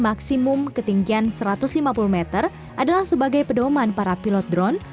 maksimum ketinggian satu ratus lima puluh meter adalah sebagai pedoman para pilot drone